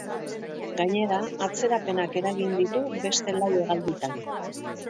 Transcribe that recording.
Gainera, atzerapenak eragin ditu beste lau hegalditan.